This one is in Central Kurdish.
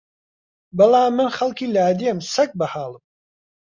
بەڵام من خەڵکی لادێم سەگ بەحاڵم